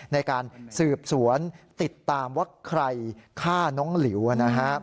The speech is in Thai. ในการสืบสวนติดตามว่าใครฆ่าน้องหลิวนะครับ